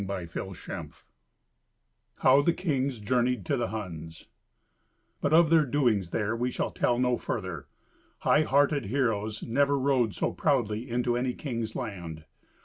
Twenty Fifth Adventure How the Kings Journeyed to the Huns But of their doings there we shall tell no further. High hearted heroes never rode so proudly into any king's land.